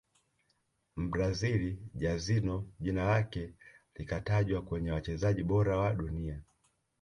mbrazil Jairzinho jina lake likatajwa kwenye wachezaji bora wa dunia